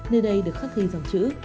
nơi đây được khắc ghi dòng chữ